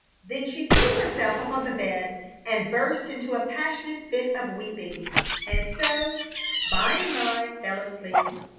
Then she threw herself upon the bed and burst into a passionate fit of weeping, and so, by and by, fell asleep.